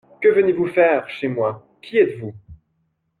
Que venez-vous faire chez moi? Qui êtes-vous ?